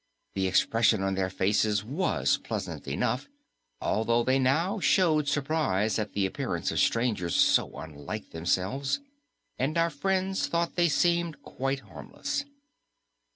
The expression of their faces was pleasant enough, although they now showed surprise at the appearance of strangers so unlike themselves, and our friends thought they seemed quite harmless.